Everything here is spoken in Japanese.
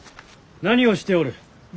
何をしておる？